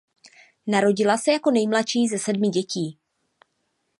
Narodila se jako nejmladší ze sedmi dětí.